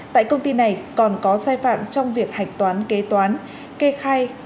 tại công ty này còn có sai phạm trong việc hạch toán kế toán kê khai